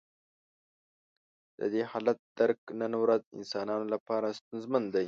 د دې حالت درک نن ورځ انسانانو لپاره ستونزمن دی.